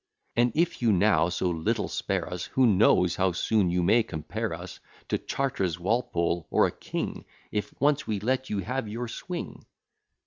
And, if you now so little spare us, Who knows how soon you may compare us To Chartres, Walpole, or a king, If once we let you have your swing.